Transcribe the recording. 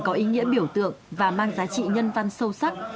có ý nghĩa biểu tượng và mang giá trị nhân văn sâu sắc